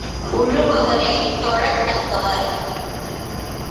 உழுபவரே தொழத் தக்கவர்!